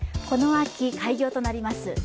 この秋、開業となります